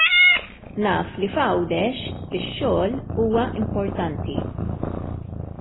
Naf li f'Għawdex ix-xogħol huwa importanti.